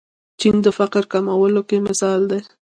چین د فقر کمولو کې مثال دی.